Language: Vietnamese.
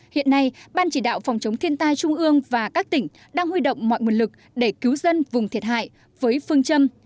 hiện nay ban chỉ đạo phòng chống thiên tai trung ương và các tỉnh đang huy động mọi nguồn lực để cứu dân vùng thiệt hại với phương châm